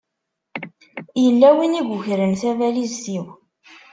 Yella win i yukren tabalizt-iw.